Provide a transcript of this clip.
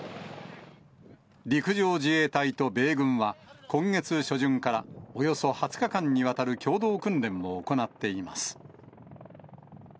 陸上自衛隊と米軍は、今月初旬からおよそ２０日間にわたる共同訓練を行っています。